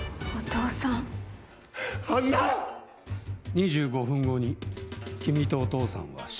２５分後に君とお父さんは死ぬ。